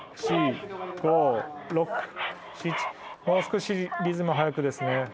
もう少しリズム速くですね。